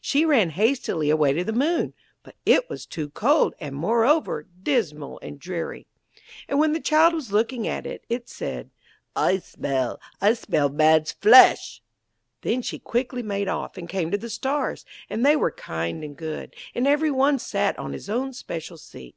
She ran hastily away to the Moon, but it was too cold, and, moreover, dismal and dreary. And when the child was looking at it, it said: 'I smell, I smell man's flesh!' Then she quickly made off, and came to the Stars, and they were kind and good, and every one sat on his own special seat.